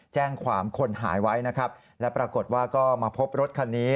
แจ้งความคนหายไว้นะครับและปรากฏว่าก็มาพบรถคันนี้